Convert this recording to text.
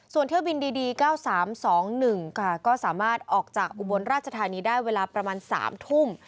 ส่วนเที่ยวบินดี๙๓๒๑ค่ะก็สามารถออกจากอุบลราชธานีได้เวลาประมาณ๓ทุ่ม